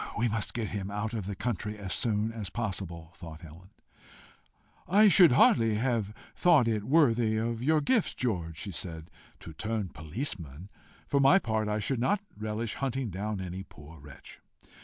"We must get him out of the country as soon as possible," thought Helen. "I should hardly have thought it worthy of your gifts, George," she said, "to turn police man. For my part, I should not relish hunting down any poor wretch."